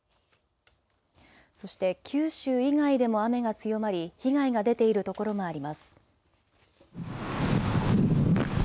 そして九州以外でも雨が強まり被害が出ているところもあります。